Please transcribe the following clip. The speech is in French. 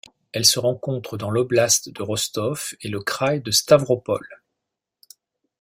Elle se rencontre dans l'oblast de Rostov et le kraï de Stavropol.